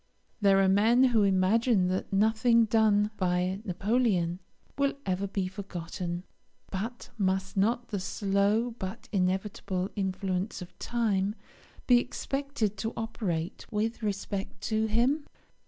There are men who imagine that nothing done by Napoleon will ever be forgotten; but must not the slow but inevitable influence of time be expected to operate with respect to him?